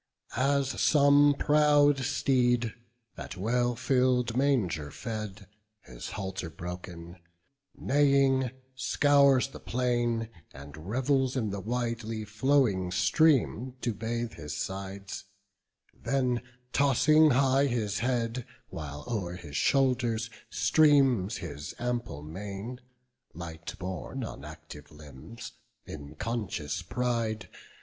As some proud steed, at well fill'd manger fed, His halter broken, neighing, scours the plain, And revels in the widely flowing stream To bathe his sides; then tossing high his head, While o'er his shoulders streams his ample mane. Light borne on active limbs, in conscious pride.